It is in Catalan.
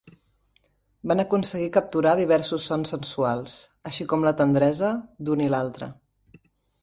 Van aconseguir capturar diversos sons sensuals, així com la tendresa d'un i l'altre.